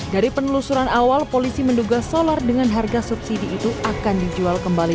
dari penelusuran awal polisi menduga solar dengan harga subsidi itu akan dijual kembali